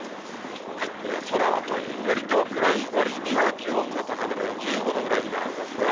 空はどんよりと暗いわりには、気温が高めで１５度ぐらい今、ありますね。